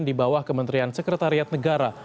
di bawah kementerian sekretariat negara